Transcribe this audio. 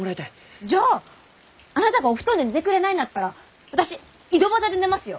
じゃああなたがお布団で寝てくれないんだったら私井戸端で寝ますよ！